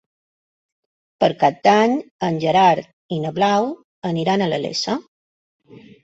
Per Cap d'Any en Gerard i na Blau aniran a la Iessa.